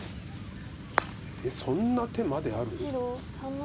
えっそんな手まである？